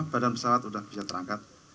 badan pesawat sudah bisa terangkat